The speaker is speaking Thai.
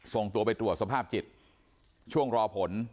ส่งตัวไปตรวจสภาพจิตช่วงรอผล